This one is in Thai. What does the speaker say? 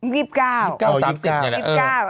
อ๋อ๒๙อย่างนั้น